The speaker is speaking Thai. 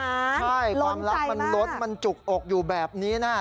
ล้นใจมากใช่ความรักมันลดมันจุกอกอยู่แบบนี้นะฮะ